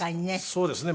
そうですね。